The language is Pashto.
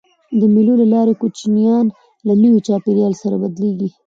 د مېلو له لاري کوچنيان له نوي چاپېریال سره بلديږي.